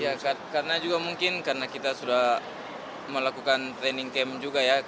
ya karena juga mungkin karena kita sudah melakukan training camp juga ya